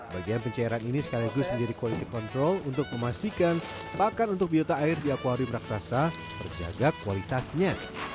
bagian pencairan ini sekaligus menjadi quality control untuk memastikan pakan untuk biota air di akwarium raksasa terjaga kualitasnya